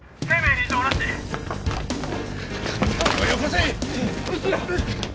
金をよこせ！